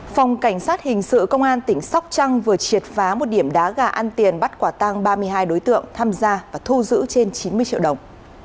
phòng cảnh sát hình sự công an tỉnh sóc trăng vừa triệt phá một điểm đá gà ăn tiền bắt quả tăng ba mươi hai đối tượng tham gia và thu giữ trên chín mươi triệu đồng